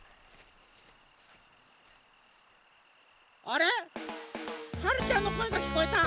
あれっ？はるちゃんのこえがきこえた。